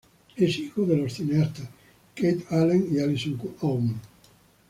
Es hijo de los cineastas Keith Allen y Alison Owen.